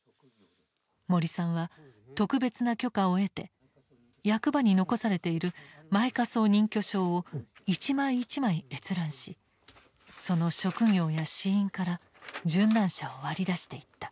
森さんは特別な許可を得て役場に残されている「埋火葬認許証」を一枚一枚閲覧しその職業や死因から殉難者を割り出していった。